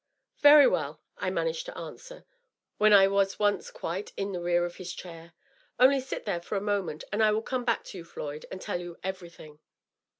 " Very well,'' I managed to answer, when I was once quite in the rear of his chair. " Only sit there for a moment, and I will come back to you, Floyd, and tell you everything."